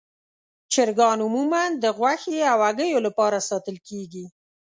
چرګان عموماً د غوښې او هګیو لپاره ساتل کېږي.